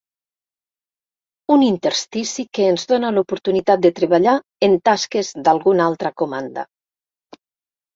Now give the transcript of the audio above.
Un interstici que ens dona l'oportunitat de treballar en tasques d'alguna altra comanda.